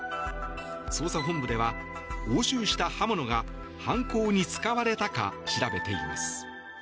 捜査本部では押収した刃物が犯行に使われたか調べています。